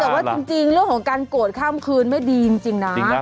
แต่ว่าจริงเรื่องของการโกรธข้ามคืนไม่ดีจริงนะ